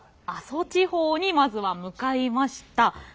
阿蘇地方にまずは向かいました。